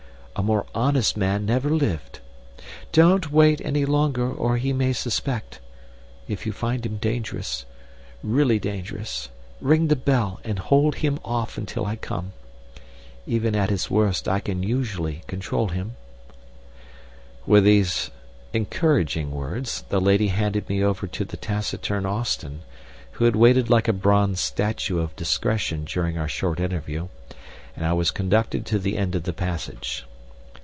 A more honest man never lived. Don't wait any longer or he may suspect. If you find him dangerous really dangerous ring the bell and hold him off until I come. Even at his worst I can usually control him." With these encouraging words the lady handed me over to the taciturn Austin, who had waited like a bronze statue of discretion during our short interview, and I was conducted to the end of the passage.